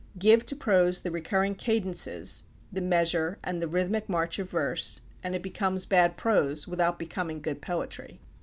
Give to prose the recurring cadences, the measure, and the rhythmic march of verse, and it becomes bad prose without becoming good poetry.